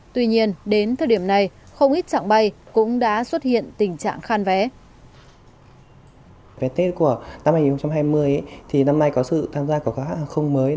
tuy nhiên đến thời điểm này không ít trạng bay cũng đã bán vé sớm